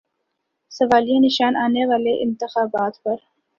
سوالیہ نشان آنے والے انتخابات پر۔